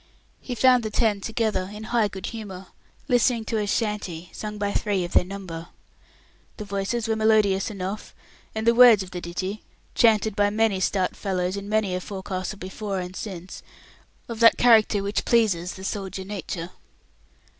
He found the ten together, in high good humour, listening to a "shanty" sung by three of their number. The voices were melodious enough, and the words of the ditty chanted by many stout fellows in many a forecastle before and since of that character which pleases the soldier nature.